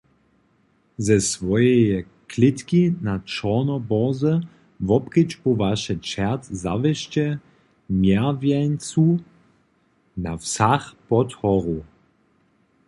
Ze swojeje klětki na Čornoboze wobkedźbowaše čert zawěsće mjerwjeńcu na wsach pod horu.